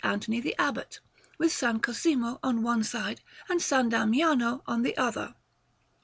Anthony the Abbot, with S. Cosimo on one side and S. Damiano on the other.